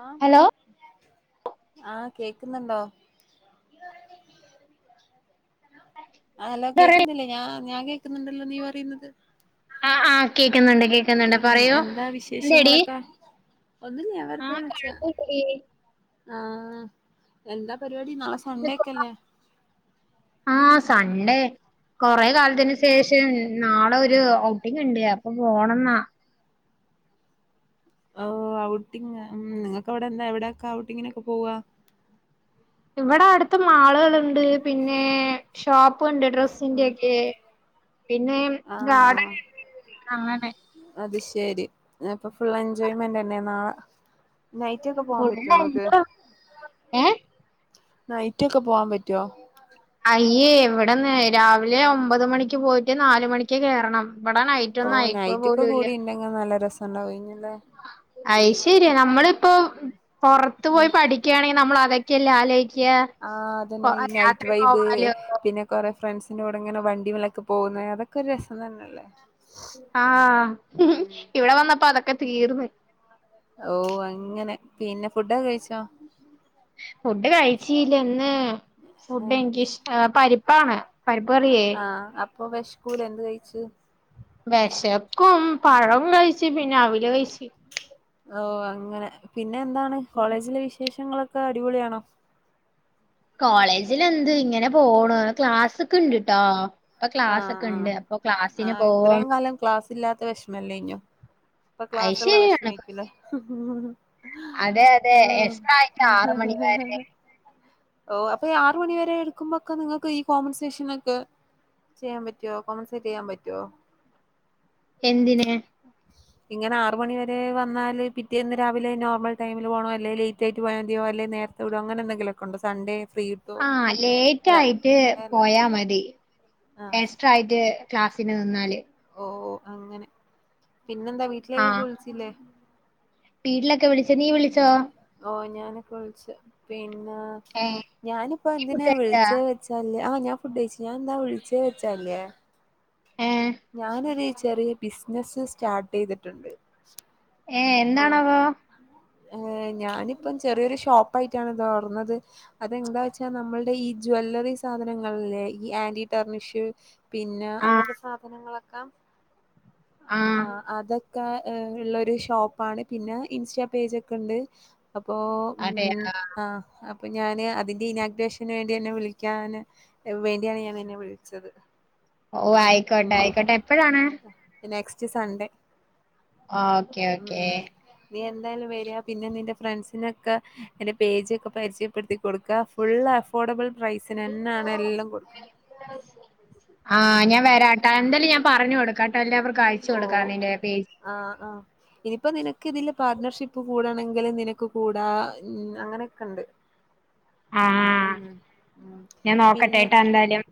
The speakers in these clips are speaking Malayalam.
ആഹ് ഹലോ ആഹ് കേക്കുന്ന്ണ്ടോ? ആഹ് ഹലോ പറയ് കേക്കുന്നില്ലേ. ഞാ ഞാൻ കേക്കുന്നുണ്ടല്ലോ നീ പറിനത്. ആഹ് ആഹ് കേക്കുന്നുണ്ട് ആ കേക്കുന്നുണ്ട് ഉം പറയൂ എന്താ എന്തെടി വിശേഷങ്ങളൊക്കെ? ഒന്നുല്ല്യ ഞാൻ വെർതെ ആഹ് വിളിച്ചാ കൊഴപ്പല്ലെടി ആ എന്താ പരിപാടി നളെ സ് ആ സൺണ്ടേ കൊറെ കാലത്തിന് ശേഷം നാളെ ഒരു ഔട്ടിങ്ണ്ട് അപ്പൊ പോണന്നാ ഓ ഔട്ടിങ് ഉം നിങ്ങക്ക് അവിടെ എന്താ എവിടൊക്കാ ഔട്ടിങ്ങിനൊക്കെ പോവ ഇവിടെ അടുത്ത് മാളുകള്ണ്ട് പിന്നെ ഷോപ്പ്ണ്ട് ഉം ഡ്രസ്സിന്റൊക്കെ പിന്നെ ആഹ് ഗാഡന്ണ്ട് കാഡൻ അത് ശെരി അപ്പൊ ഫുൾ എൻജോയ്മെന്റെന്നെ നാളെ നൈറ്റ് ഒക്കെ പോവാൻ പറ്റോ ഇങ്ങക്ക് [unintelligible] ഏ നൈറ്റൊക്കെ പോവാ പറ്റോ? അയ്യെ ഇവടെന്ന് രാവിലെ ഒമ്പത് മണിക്ക് പോയിട്ട് നാല മണിക്ക് കേറണം ഇവടെ നൈ ഓ നൈറ്റൊക്കെ കൂടി ഉണ്ടെങ്കി നല്ല രസണ്ടാവേന്നുലെ ഐശെര്യാണ് നമ്മളിപ്പോ പൊർത്ത് ഉം പോയി പഠിക്യാണെങ്കി നമ്മള് അതൊക്കെല്ലേ ആലോയ്ക്യാ ആഹ് അതന്നെ ഈ നൈറ്റ് രാത്രി വൈബ് പോവാ [unintelligible] പിന്നെ കൊറെ ഫ്രണ്ട്സിന്റെ കൂടങ്ങനെ വണ്ടിമലൊക്കെ പോകുന്നെ അതൊക്കെ ഒരു രസം തന്നെല്ലേ ആഹ് ഇവിടെ വന്നപ്പോ അതൊക്കെ തീർന്ന് ഓ അങ്ങനെ പിന്നെ ഫുഡൊക്കെ കഴിച്ചോ? ഫുഡ് കഴിച്ചില്ല ഇന്ന് ഫുഡ് എനിക്കിഷ്ട പരിപ്പാണ് പരിപ്പ് കറിയേ ആഹ് അ പ്പോ വെഷ്കൂലെ എന്ത് കഴിച്ച് വെശക്കും പഴം കഴിച്ച് പിന്നെ അവില് കഴിച്ച്. ഓ അങ്ങനെ പിന്നെ എന്താണ് കോളേജിലെ വിശേഷങ്ങളൊക്കെ അടിപൊളിയാണോ കോളേജിലെന്ത് ഇങ്ങനെ പോണു ക്ലാസ് ക്കെണ്ട്ട്ടോ ആഹ് ആഹ് ക്ലാസ്സൊക്കെണ്ട് അപ്പൊ ക്ലാസ്സിന് പോവും. മെല്ലയ്ഞ്ഞോ ഇപ്പൊ അയ് ക്ലാസ്സ്ള്ള ശരിയാണ് വെഷമേക്കുലെ അതെ അതെ എസ്ട്രാ ആയിട്ട് ആറ് മണി വരെ ഓ അപ്പൊ ഈ ആറ് മണിവരെ എടുക്കുമ്പൊക്കെ നിങ്ങക്ക് ഈ കോമ്പൻസേഷനൊക്കെ ചെയ്യാൻ പറ്റോ [unintelligible] ചെയ്യാ പറ്റോ? എന്തിന് ഇങ്ങനെ ആറ് മണിവരെ വന്നാല് പിറ്റേന്ന് രാവിലെ നോർമൽടൈമില് പോണോ അല്ലേല് ലേറ്റായിട്ട് പോയാതിയോ അല്ലെ നേര് വിടൂ അങ്ങനെന്തെങ്കിലൊക്കെണ്ടോ സൺഡേ ഫ്രീ കിട്ടോ ആ അല്ല ലേറ്റായിട്ട് സൺഡേ അല്ല പോയാ മതി ആഹ് എസ്ട്രാ യിട്ട് ക്ലാസ്സിന് നിന്നാല് ഓ അങ്ങനെ പിന്നെന്താ വീട്ടിലേക്കൊക്കെ ആഹ് വിളിച്ചില്ലേ? വീട്ടിലൊക്കെ വിളിച്ച് നീ വിളിച്ചോ? ഓ ഞാനിപ്പോ വിൾച്ചു പിന്നെ ഏഹ് ഞാനിപ്പോ നീ ഫുഡ് എന്തിനാ കഴിച്ചാ വിൾച്ചെ ആ ഞാൻ ഫുഡഴിച്ച് ഞാൻ എന്താ വിൾച്ചേ വെച്ചാല്യേ ഏ ഞാനൊരു ചെറിയ ബിസിനസ്സ് സ്റ്റാർട്ടെയ്തിട്ടുണ്ട്. ഏ എന്താണാവോ ഏ ഞാനിപ്പം ചെറിയൊരു ഷോപ്പയിട്ടാണ് തൊർന്നത്. അതെന്താച്ചാല് നമ്മൾടെ ഈ ജ്വല്ലറി സാധനങ്ങൾല്യെ ഈ ആന്റി ടെർണിഷ് പിന്നെ ആഹ് അങ്ങൻത്തെ സാധനങ്ങളൊക്കെ ആ ആഹ് അത ക്കള്ള ഒരു ഷോപ്പാണ് പിന്നെ ഇൻസ്റ്റാ പേജൊക്കണ്ട് അപ്പോ അതെ ഉം ആഹ് ആ അപ്പൊ ഞാന് അതിന്റെ ഇനാഗ്രേഷന് വേണ്ടി അന്നെ വിളിക്യാന് വേണ്ടിയാണ് ഞാൻ നിന്നെ വിളിച്ചത് ഓ ആയിക്കോട്ടെ ഉം ആയിക്കോട്ടെ എപ്പഴാണ് നെക്സ്റ്റ് സൺഡേ ആഹ് ഓക്കെ ഓക്കേ. ഉം നീ എന്തായാലും വരാ പിന്നെ നിന്റെ ഫ്രണ്ട്സിനൊക്കെ എന്റെ പേജ് ഒക്കെ പരിചയപ്പെട്ത്തി കൊട്ക്ക. ഫുള്ളഫോർഡബ്ൾ പ്രൈസ്നെന്നാണെല്ലോം കൊട് ആഹ് ഞാ വരാട്ടാ. എന്താലും ഞാ പറഞ്ഞൊട്ക്കാട്ടോ എല്ലാവർക്കും അയ- ഓഹ്, ആഹ്, ആഹ്. ഇനിപ്പൊ നിനക്കിതില് പാർട്ണർഷിപ്പ് കൂടണെങ്കില് നിനക്ക് കൂടാ അങ്ങനെക്കെണ്ട്. [inaudible] ആഹ്. ഞാം നോക്കട്ടെട്ടോ എന്തായാലും.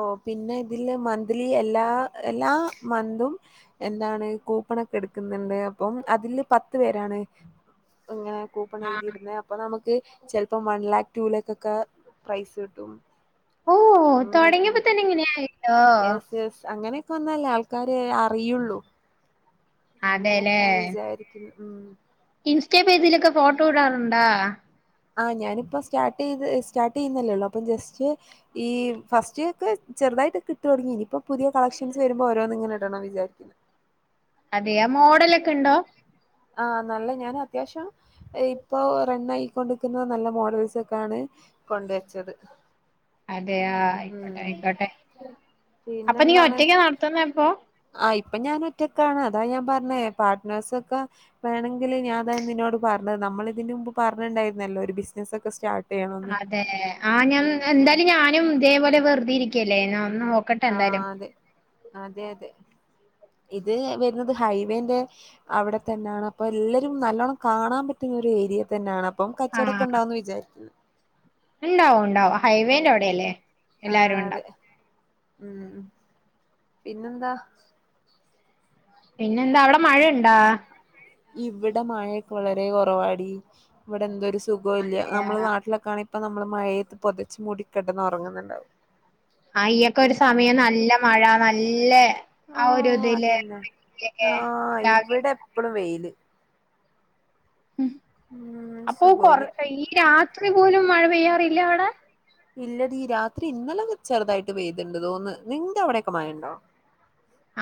ഓഹ് പിന്നെ ഇതില് മന്ത്ലി എല്ലാ എല്ലാ മന്തും. എന്താണ് കൂപ്പണൊക്കെ എട്ക്ക്ന്ന്ണ്ട് അപ്പം അതില് പത്ത് പേരാണ്. അങ്ങനെ ആഹ് കൂപ്പണെഴുതിടുന്നെയാ? അപ്പൊ നമുക്ക് ചെല്പ്പോ വൺ ലാക്ക്, ടു ലാക്കൊക്കെ പ്രൈസ് കിട്ടും. ഓഹ് തൊടങ്ങ്യപ്പൊത്ത്ന് ഇങ്ങനെയായല്ലോ. സ് അങ്ങനെക്കൊന്നല്ലെ ആൾക്കാര് അറിയൊള്ളു. അങ്ങനെക്ക വിചാരിക്കുന്നു. മ്മ്. ഇൻസ്റ്റെ പേജിലൊക്കെ ഫോട്ടോ ഇടാറുണ്ടാ? ആഹ് ഞാനിപ്പൊ സ്റ്റാർട്ടെയ്ത് സ്റ്റാർട്ടെയ്യുന്നല്ലേള്ളൂ അപ്പൊ ജസ്റ്റ്‌. ഈ ഫസ്റ്റ് ഒക്കെ ചെറ്തായിട്ട് കിട്ടലൊടങ്ങി. ഇനിപ്പൊ പുതിയ കളക്ഷൻസ് വരുമ്പോരോന്ന്ങ്ങനെ ഇടണം വിചാരിക്ക്ന്ന്. [inaudible] അതെ. മോഡലെക്കെണ്ടോ? ആഹ് നല്ലേ ഞാന് അത്യാവശ്യം ഇപ്പൊ റെണ്ണായി കൊടുക്കുന്നഹ് നല്ല മോഡൽസൊക്കാണ് കൊണ്ട് വെച്ചത്. അതെ ആഹ് അയിക്കോട്ടെ ഉം അയിക്കോട്ടെ. അപ്പൊ നീ പിന്നെന്താണ് ഒറ്റയ്ക്കാ നടത്തുന്നെ പ്പോ? ആഹ് ഇപ്പ ഞാനൊറ്റക്കാണ് അതാ ഞാം പറഞ്ഞേ പാർട്ട്‌നേർസൊക്കെ. വേണങ്കില് ഞാം ദാ നിന്നോട് പറഞ്ഞേ നമ്മളിതിന്റുമ്പ് പറഞ്ഞ്ൺണ്ടേര്ന്നല്ലോ ഒരു ബിസ്നസൊക്കെ സ്റ്റാർ അതെ ആഹ് ഞാൻ ഉം എന്തായാലും ഞാനും ഇതേപോലെ വെർതെ ഇരിക്കല്ലേ ന്ന ഒന്ന്നോ ആഹ് അതെ അതെ അതെ ഇത് വെരുന്നത് ഹൈവേന്റെ അവടെ തന്നാണപ്പൊ എല്ലരും നല്ലോണം കാണാൻ പറ്റുന്ന ഒരു ഏരിയ തന്നാണ. പ്പം കച്ചവടൊക്കെണ്ടാവുംന്ന് വിചാരിക്ക്ണ്. ഇണ്ടാവും ഇണ്ടാവും ഹൈവേന്റവഡെല്ലേ ആഹ് എല്ലാരുണ്ടാവും. അതെ ഉം പിന്നെന്താ? പിന്നെന്താ അവടെ മഴെണ്ടാ? ഇവ്ടെ മഴെക്കെ വളരെകൊറവാടി ഇവടെന്തൊരു സുഖല്ല്യ. അതെയ നമ്മളെ നാട്ടിലൊക്കാണെ ഇപ്പൊ നമ്മള് മഴേത്ത് പൊതച്ച്മൂടി കെടന്നൊറങ്ങ്ന്ന്ണ്ടാവും. അയ്യൊക്കെ ഒര് സമയം നല്ല മഴ നല്ലെ ആ ഒരുതില് എന്നാ ഓഹ് ഇവ്ടെപ്പളും വെയില്. ഉം ഉം അപ്പൊ കൊറ സുഖല്ല ഈ രാത്രി പോലും മഴ പെയ്യാറില്ലെ അവടെ? ഇല്ലെഡീ. രാത്രി ഇന്നലൊന്ന് ചെറ്തായിട്ട് പെയ്ത്ണ്ട് തോന്ന്. നിന്റവടെക്കെ മഴണ്ടോ?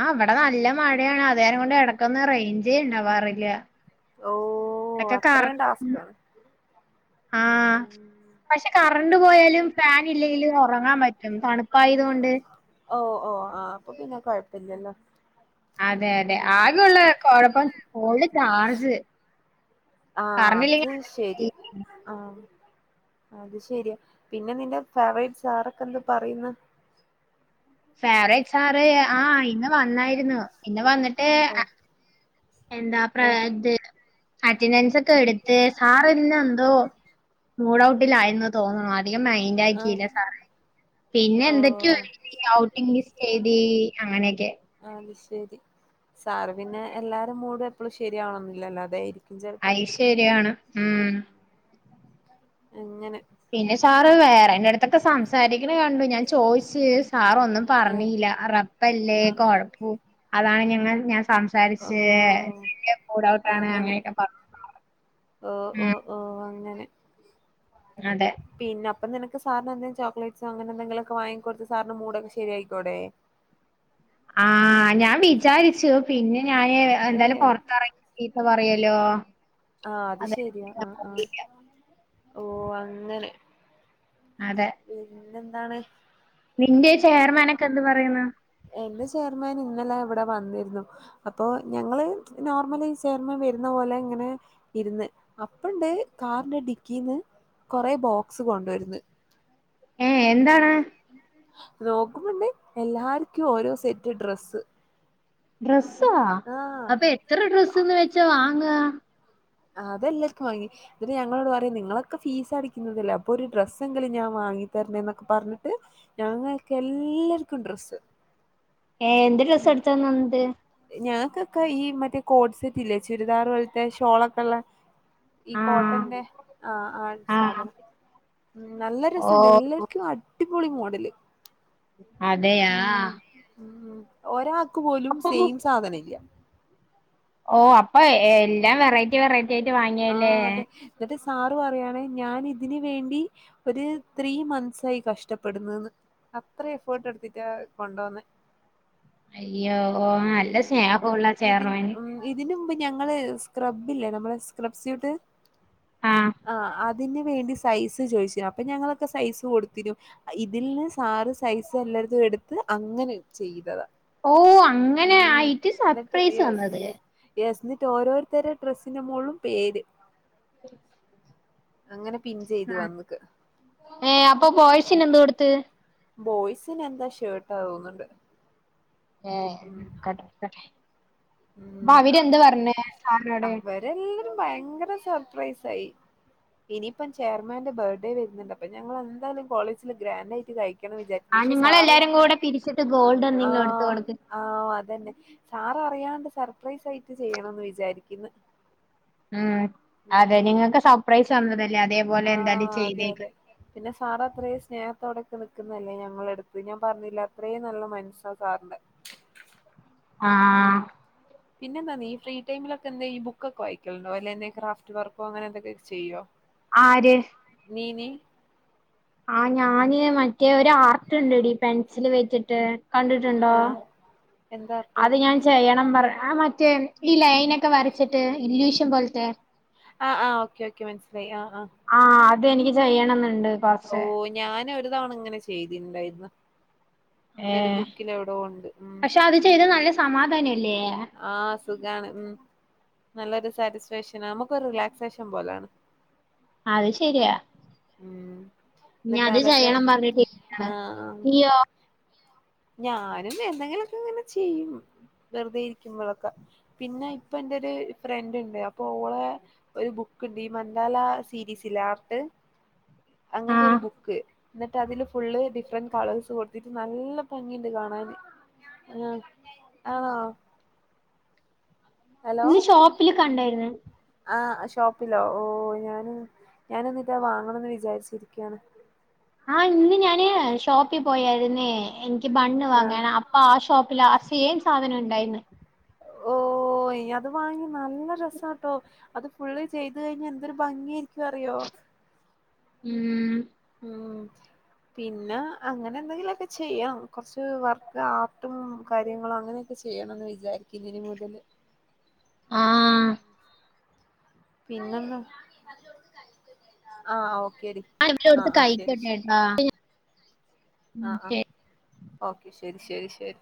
ആഹ് ഇവടെ നല്ല മഴെണതേരം കൊണ്ട് എടക്കൊന്ന് റെയിഞ്ചേ ഇണ്ടാവാറില്ല. ഓഹ് അത്രേം ടാസ്ക്കാണ്. ആഹ് പക്ഷെ കറന്റ് പോയാലും ഫാനില്ലെങ്കിലും ഒറങ്ങാൻ പറ്റും തണുപ്പായതോണ്ട്. ഓഹ് ഓഹ് ആഹ് അപ്പൊ പിന്നെ കൊഴപ്പില്ലല്ലോ. അതെ ഉം അതെ ആകെയൊള്ള കൊഴപ്പം ഫോൺല് ചാർജ്. ആഹ് കറണ്ട് അത് ഇല്ലെങ്കിൽ ശര്യാ. ആഹ് അത് ശര്യാ. പിന്നെ നിന്റെ ഫേവറേറ്റ് സാറൊക്കെ എന്ത് പറയുന്ന്? ഫേവറേറ്റ്സാറ് ആഹ് ഇന്ന് വന്നായിരുന്നു. പിന്നെ വന്ന്ട്ട് ഓ അ - എന്താ പ്രെ ആ ത് അറ്റന്റൻസൊക്കെ എട്ത്ത് സാറ്ന്നെന്തോ മൂഡൗട്ടിലായിരുന്നു തോന്ന്ണു. ധികം ആ മൈന്റാക്കില്ല സാറ്. പിന്നെ ഓ എന്തൊക്കെയൊ ആയി. ഔട്ടിംഗ് ലിസ്റ്റ് എഴുതി അങ്ങനെയൊക്കെ. ആഹ് വിഷ് ചെയ്ത്. സാറ് പിന്നെ എല്ലാരെ മൂട് എപ്പഴും ശരിയാവണന്നില്ലല്ലോ അതായിരിക്കും ചെലപ്പോ അത് ശരിയാണ് ഉം അങ്ങനെ. പിന്നെ സാറ് വേറെന്റെടുത്തൊക്കെ സംസാരിക്കണ കണ്ടു ഞാൻ ചോയിച്ചു സാറൊന്നും പറഞ്ഞില്ല ആ റപ്പല്ലേ ആണ് കുഴപ്പും അതാണ് ഞങ്ങൾ ഞ ഓ സംസാരിച്ച് മൂഡ് ഔട്ട് ആണ് അങ്ങനെ അങ്ങനെയൊക്കെ പറഞ്ഞു ഓ ഓ ഉം ഓ ആ അങ്ങനെ. അതെ. പിന്നെ അപ്പം നിനക്ക് സാറിന് എന്തെങ്കിലും ചോക്ലേറ്റ്സോ, അങ്ങനെ എന്തെങ്കിലൊക്കെ വാങ്ങികൊടുത്ത് സാറിന്റെ മൂടൊക്കെ ശരിയാക്കിക്കൂടേ? ആഹ് ഞാൻ വിചാരിച്ചു പിന്നെ ഞാന് ഏ എന്തായാലും പുറത്തിറങ്ങി ചീത്ത പറയലോ ആഹ് അത് ശരിയാ ആഹ് ആഹ് ഓ അങ്ങനെ അതെ പിന്നെ എന്താണ് നിന്റെ ചെയർമാനൊക്കെ എന്ത് പറയുന്നു എന്റെ ചെയർമാൻ ഇന്നെലെ ഇവിടെ വന്നിരുന്നു. അപ്പോ ഞങ്ങള് നോർമലി ചെയർമ്മാൻ വരുന്ന പോലെ ഇങ്ങനെ. ഇരുന്ന്. അപ്പണ്ട് കാറിന്റെ ഡിക്കിന്ന് കൊറെ ബോക്സ് കൊണ്ടുവരുന്ന്. ഏ എന്താണ് നോക്കുമ്പോണ്ട് എല്ലാർക്കും ഓരോ സെറ്റ് ഡ്രസ്സ് ഡ്രസ്സാ ആഹ് അപ്പൊ എത്ര ഡ്രസ്സ്ന്ന് വെച്ചാ വാങ്ങ അതെല്ലക്കോയി എന്നിട്ട് ഞങ്ങളോട് പറയും നിങ്ങളൊക്കെ ഫീസ് അടിക്കുന്നതല്ലേ അപ്പൊ ഒരു ഡ്രസ്സ് എങ്കിലും ഞാൻ വാങ്ങി തരണ്ടേ ന്നൊക്കെ പറഞ്ഞിട്ട് ഞങ്ങൾക്ക് എല്ലാർക്കും ഡ്രസ്സ് ഏ എന്തര് ഡ്രസ്സാ എടുത്ത് കൊണ്ട് തന്നത് ഞങ്ങൾക്കൊക്കെ ഈ മറ്റേ കോഡ് സെറ്റ് ഇല്ലേ ചുരിദാർ പോലത്തെ ഷോളൊക്കെ ഉള്ള ഈ ആഹ് കോട്ടന്റെ ആ ആ ആഹ് സാധനം ഉം നല്ല ഓ രസണ്ട് എല്ലാർക്കും അടി അടിപൊളി മോഡല് അതെ ഉം ഉം ഒരാൾക്ക് പോലും അപ്പൊ സെയിം സാധനമില്ല. ഓ അപ്പൊ എല്ലാം വെറൈറ്റി വെറൈറ്റി ആയിട്ട് ആ വാങ്ങിയല്ലേ അതെ എന്നിട്ട് സാറ് പറയാണ് ഞാൻ ഇതിന് വേണ്ടി ഒരു ത്രീ മന്ത്സ് ആയി കഷ്ടപ്പെടുന്ന്ന്ന് അത്ര എഫേർട്ട് എടുത്തിട്ടാ കൊണ്ടോന്നേ അയ്യോ ഓ നല്ല ഉം സ്നേഹമുള്ള ഇതി ചെയർമാന്. ഉം ഇതിന് മുമ്പ് ഞങ്ങള് സ്ക്രബ്ബില്ലേ നമ്മെ സ്ക്രബ്സ്യൂട്ട് ആഹ് ആ തിന് വേണ്ടി സൈസ് ചോദിച്ചു. അപ്പം ഞങ്ങളൊക്കെ സൈസ് കൊടുത്തിനു. ഇതിൽ നിന്ന് സാറ് സൈസ് എല്ലാടത്തും എടുത്ത് അങ്ങനെ ചെയ്തതാ. ഓ അങ്ങനെ ഉം ആയിട്ട് എന്നിട്ട് സർപ്രൈസ് യെസ് തന്നത് [unintelligible] എന്നിട്ട് ഓരോരുത്തരും ഡ്രസ്സിന്റെ മുകളിലും പേര്. ഉ [inaudible] അങ്ങനെ പിൻ ചെയ്ത് ആ വന്നക്ക് ഏ അപ്പൊ ബോയിസിന് എന്ത് കൊടുത്ത് ബോയ്സിന് എന്താ ഷേർട്ടാ തോന്ന്ണ്ട് ഏ കട്ടെട്ടെ ഉം അപ്പൊ അവര് എന്ത്പറഞ്ഞേ സാറിനോട് ത് എല്ലരും ഭയങ്കര സർപ്രൈസ് ആയി. ഇനിയിപ്പം ചെയർമാന്റെ ബർത്ത്ഡേ വരുന്നുണ്ട്. അപ്പൊ ഞങ്ങൾ എന്തായാലും കോളേജിൽ ഗ്രാൻഡായിട്ട് കഴി ക്കണമെന്നാ വിചാരിക്ക്‌ണ് ആഹ് പക്ഷെ സാറും നിങ്ങളെല്ലാരും കൂടെ പിരിച്ചിട്ട് ഗോൾഡ് എന്തെങ്കിലും എടുത്ത് ആഹ് കൊടുക്ക് ആഹ് അതന്നെ. സാററിയാണ്ട് സർപ്രൈസ് ആയിട്ട് ചെയ്യണംന്ന് വിചാരിക്ക്ന്ന് ഉം അതെ നിങ്ങക്ക് സപ്രൈസ് തന്നതല്ലേ, അതേപോലെ എന്തായാലും ആഹ് അതെ ചെയ്തേക്ക് അതെ പിന്നെ സാർ അത്രേം സ്നേഹത്തോടെക്കെ നിക്കുന്നതല്ലേ ഞങ്ങളെട്ത്ത്. ഞാൻ പർഞ്ഞില്ലത്രേം നല്ല മൻസ്സാ സാർന്റെ ആഹ് പിന്നെന്താ നീ ഫീടൈമിലൊക്കെ എന്താ ഈ ബുക്കൊക്കെ വായിക്കലുണ്ടോ അല്ലെ എന്തേ ക്രാഫ്റ്റ് വർക്കോ അങ്ങനെന്തൊക്കൊക്കെ ചെയ്യോ ആര്? നീയിനി ആഹ് ഞാന് മറ്റേ ഒരാർട്ട്ണ്ട്ടി പെൻസില് വെച്ചിട്ട് കണ്ടിട്ടുണ്ടോ? ആഹ് എന്താ ർ അത് ഞാൻ ചെയ്യണം പറ ആ മറ്റേ ഈ ലൈനൊക്കെ വരച്ചിട്ട് ഇല്യൂഷൻ പോലത്തെ ആ ആഹ് ഓക്കെ ഓക്കെ മൻസ്സിലായി ആ ആഹ് ആഹ് അതെനിക്ക് ചെയ്യണംന്നുണ്ട് പക്ഷേ ഞാനൊരു തവണ ഇങ്ങനെ ചെയ്തിണ്ടയിര്ന്ന് ൻ്റൊരു ഏഹ് ബുക്കിലെവ്ടോണ്ട് ഉം പക്ഷെ അത് ചെയ്ത നല്ല സമാധാനല്ലേ ആഹ് സുഖാണ് ഉം നല്ലൊരു സാറ്റിസ്ഫാക്ഷനാ നമുക്കൊരു റിലാക്സേഷൻ പോലാണ് അഅ് ശരിയാ ഉം ഇനി അത് ന്നിട്ടതൊക്കെ ചെയ്യണം പറഞ്ഞിട്ട് ഇരിക്കാണ് ആഹ് ആഹ് നീയോ ഞാനും എന്തെങ്കിലൊക്കെങ്ങനെ ചെയ്യും. വെറുതെ ഇരിക്കുമ്പൊഴൊക്കെ. പിന്നെ ഇപ്പൊ എന്റൊര് ഫ്രണ്ട്ണ്ട്. അപ്പോളെ ഒരു ബുക്ക്ണ്ട് ഈമന്ദാല സീരീസില്ലെ ആർട്ട് അങ്ങൻത്തൊരു ആഹ് ബുക്ക്. ന്നട്ടതില് ഫുള്ള് ഡിഫ്റന്റ് കളേഴ്സ് കൊട്ത്തി നല്ല ഭംഗിയുണ്ട് കാണാന് ആഹ് ആണോ ഹലോ ഇന്ന് ഷോപ്പില് കണ്ടായിരുന്നു ആഹ് അ ഷോപ്പിലോ. ഓ ഞാനും ഞാനിന്നിറ്റാ വാങ്ങണംന്ന് വിചാരിച്ചിരിക്യാണ് ആഹ് ഇന്ന് ഞാന് ഷോപ്പി പോയായിര്ന്നേ, എനിക്ക് ബണ്ണ് ആഹ് വാങ്ങാന് അപ് ആഹ് ആ ഷോപ്പിലാ ആ സെയിം സാധനം ഉണ്ടായിന്ന് ഓയ് അത് വാങ്ങി നല്ല രസാട്ടോ അത് ഫുള്ള് ചെയ്ത് കഴിഞ്ഞ എന്തൊരു ഭംഗിയായിരിക്കും അറിയോ ഉം ഉം പിന്നെ, അങ്ങനെന്തെങ്കിലൊക്കെ ചെയ്യാം. കൊർച്ച് വർക്ക് ആ ട്ടും കാര്യങ്ങളും അങ്ങനെയൊക്കെ ചെയ്യണംന്ന് വിചാരിക്കും ഇനി മുതല് ആഹ് പിന്നന്ന ആഹ് ഓക്കേ ഡി ആ ഇവിടെടുത്ത് കഴിക്കട്ടെ ട്ടോ പിന്ന ആ അഹ് ഓക്കെ ശരി ശരി ശരി